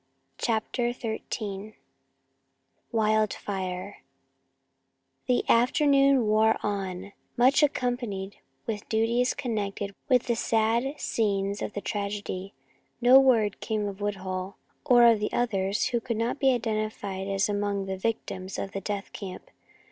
CHAPTER XIII WILD FIRE The afternoon wore on, much occupied with duties connected with the sad scenes of the tragedy. No word came of Woodhull, or of two others who could not be identified as among the victims at the death camp.